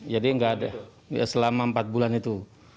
jadi enggak ada selama empat bulan itu